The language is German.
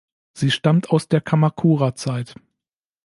Sie stammt aus der Kamakura-Zeit.